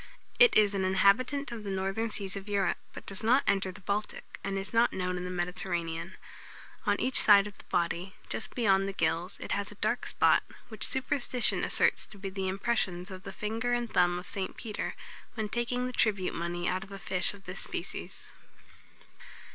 It is an inhabitant of the northern seas of Europe, but does not enter the Baltic, and is not known in the Mediterranean. On each side of the body, just beyond the gills, it has a dark spot, which superstition asserts to be the impressions of the finger and thumb of St. Peter, when taking the tribute money out of a fish of this species.